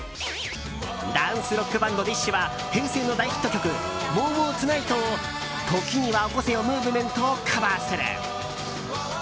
ダンスロックバンドＤＩＳＨ／／は平成の大ヒット曲「ＷＯＷＷＡＲＴＯＮＩＧＨＴ時には起こせよムーヴメント」をカバーする。